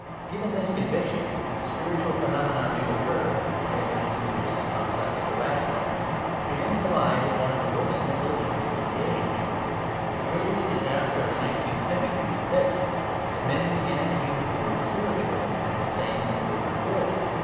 Given this conviction that the spiritual phenomena do occur (my evidence for which is complex but rational), we then collide with one of the worst mental evils of the age. The greatest disaster of the nineteenth century was this: that men began to use the word "spiritual" as the same as the word "good."